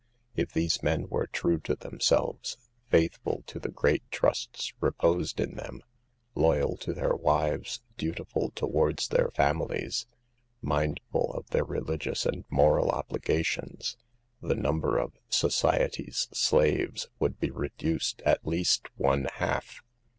If these men were true to themselves, faithful to the great trusts reposed in them, loyal to their wives, dutiful towards their families, mindful of their religious and moral obligations, the number of " society's slaves " would be reduced at least one half.